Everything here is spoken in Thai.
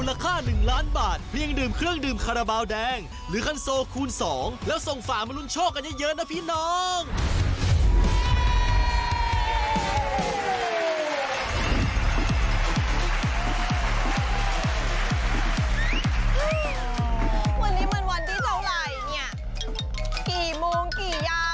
รอตั้งนานยังไม่มาป่านนี้ยังไม่มาฝูนนี้ยังไม่มี